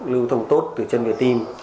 lưu thông tốt từ chân về tim